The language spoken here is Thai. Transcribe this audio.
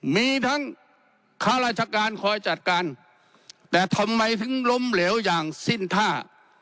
มีทั้งข้าราชการคอยจัดการแต่ทำไมถึงล้มเหลวอย่างสิ้นท่า